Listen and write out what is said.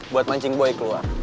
buat mancing buah keluar